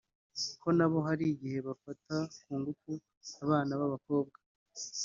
ko nabo hari igihe bafata ku ngufu abana b’abakobwa